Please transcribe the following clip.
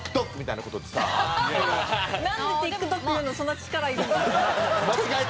なんで「ＴｉｋＴｏｋ」言うのそんな力いるんですか？